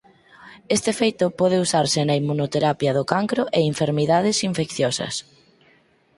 Este feito pode usarse na inmunoterapia do cancro e enfermidades infecciosas.